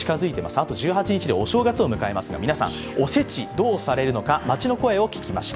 あと１８日でお正月を迎えますが皆さん、おせち、どうされるのか、街の声を聞きました。